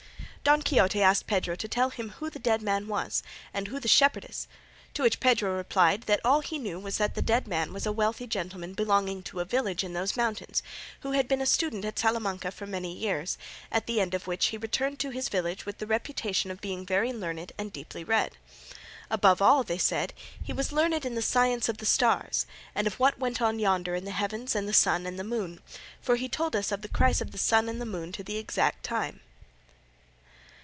Don Quixote asked Pedro to tell him who the dead man was and who the shepherdess, to which Pedro replied that all he knew was that the dead man was a wealthy gentleman belonging to a village in those mountains, who had been a student at Salamanca for many years, at the end of which he returned to his village with the reputation of being very learned and deeply read. "Above all, they said, he was learned in the science of the stars and of what went on yonder in the heavens and the sun and the moon, for he told us of the cris of the sun and moon to exact time."